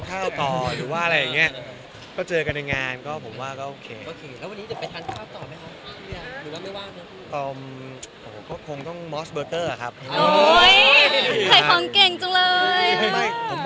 แต่อย่างนี้ตอนนี้มีวางแข่งทริปใหม่แล้วครับ